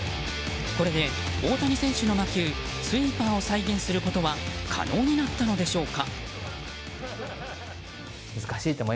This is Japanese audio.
これで、大谷選手の魔球スイーパーを再現することは可能になったのでしょうか？